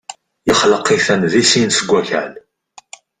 yexleq-iten di sin seg wakal.